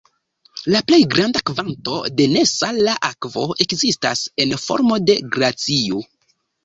La plej granda kvanto de nesala akvo ekzistas en formo de glacio.